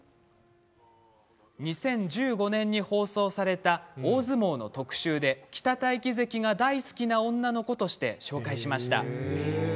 ２０１５年に放送された大相撲の特集で北太樹関が大好きな女の子として紹介しました。